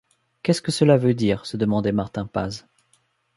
Qu’est-ce que cela veut dire ? se demandait Martin Paz.